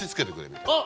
あっ！